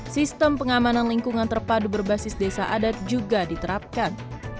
sistem pengamanan lingkungan terpadu berbasis desa adat juga diterapkan